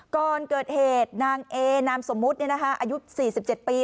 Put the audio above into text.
ก่อนเกิดเหตุนางเอนามสมมุติเนี่ยนะคะอายุสี่สิบเจ็ดปี